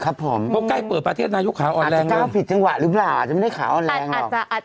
อาจจะก้าวผิดจังหวะหรือเปล่าอาจจะไม่ได้ขาอ่อนแรงหรอก